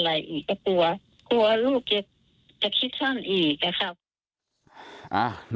ไม่รู้เขาจะคิดอะไรอีกก็กลัวลูกจะคิดซั่นอีกนะครับ